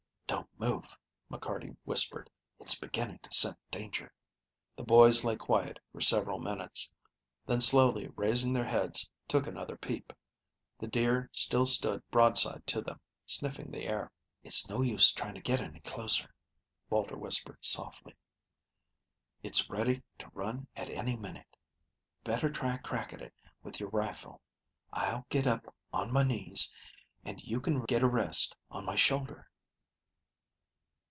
"Don't move," McCarty whispered. "It's beginning to scent danger." The boys lay quiet for several minutes; then slowly raising their heads, took another peep. The deer still stood broadside to them, sniffing the air. "It's no use trying to get any closer," Walter whispered softly. "It's ready to run at any minute. Better try a crack at it with your rifle. I'll get up on my knees and you can get a rest on my shoulder."